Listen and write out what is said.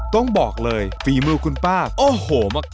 ต้องบอกเลยฝีมือคุณป้าโอ้โหมาก